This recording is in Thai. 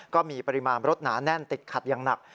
ก็มีปริมาณรถหนาแน่นติดขัดอย่างหนัก